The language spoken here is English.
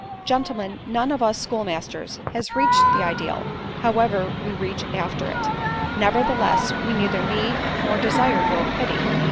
"Gentlemen, none of us schoolmasters has reached the ideal; however, we reach after it. Nevertheless, we neither need, nor desire your pity.